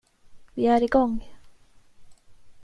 Vi är igång!